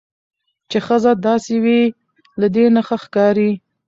چې ښځه داسې وي. له دې نه ښکاري